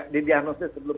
di diagnosis sebelum